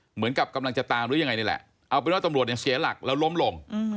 เหมือนกับกำลังจะตามหรือยังไงนี่แหละเอาเป็นว่าตำรวจเนี่ยเสียหลักแล้วล้มลง